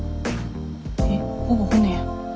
えっほぼ骨やん。